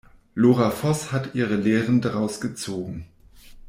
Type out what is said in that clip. Lora Voß hat ihre Lehren daraus gezogen.